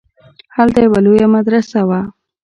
هلته يوه لويه مدرسه وه.